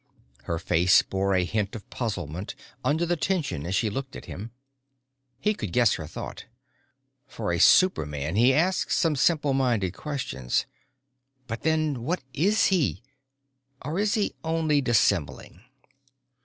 Her face bore a hint of puzzlement under the tension as she looked at him. He could guess her thought _For a superman, he asks some simple minded questions. But then what is he? Or is he only dissembling?